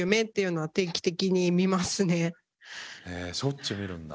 えしょっちゅう見るんだ？